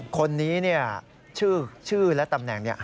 คนนี้เนี่ยชื่อและตำแหน่งเนี่ย